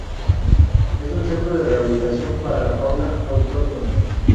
Es un centro de rehabilitación para la fauna autóctona.